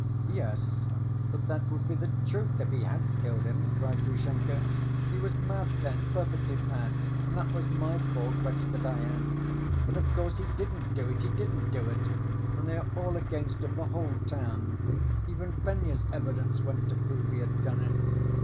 "Yes; but that would be the truth if he had killed him!" cried Grushenka. "He was mad then, perfectly mad, and that was my fault, wretch that I am! But, of course, he didn't do it, he didn't do it! And they are all against him, the whole town. Even Fenya's evidence went to prove he had done it.